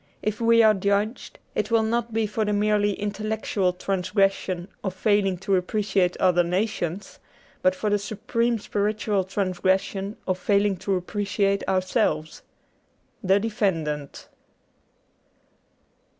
If we are judged, it will not be for the merely intel lectual transgression of failing to appreciate other nations, but for the supreme spiritual transgression of failing to appreciate ourselves. * The Defendant.'